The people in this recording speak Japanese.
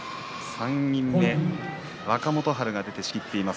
３人目、若元春が土俵上を仕切っています。